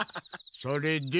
それで？